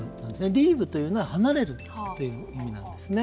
リーブというのは離れるという意味です。